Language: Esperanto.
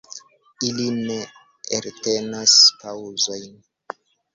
Ili ne eltenas paŭzojn.